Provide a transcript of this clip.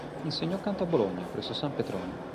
Insegnò canto a Bologna, presso San Petronio.